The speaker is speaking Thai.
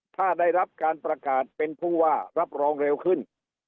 ถ้าได้รับการประกาศเป็นผู้ว่ารับรองเร็วขึ้น